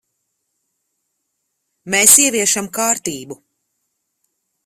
Mēs ieviešam kārtību.